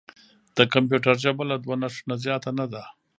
د کمپیوټر ژبه له دوه نښو نه زیاته نه ده.